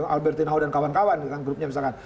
albertinaudan kawan kawan kan grupnya misalkan